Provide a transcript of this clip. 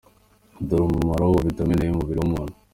Dore umumaro wa vitamine E mu mubiri w’umuntu.